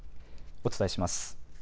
お伝えします。